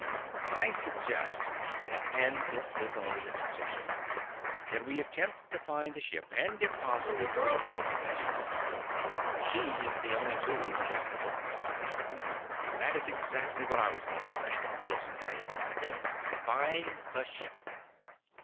"I suggest," he said, " and this is only a suggestion that we attempt to find the ship, and if possible, to regain possession of her. She is the only tool we have to work with." "That is exactly what I was going to say," Nielson said emphatically. "Find the ship."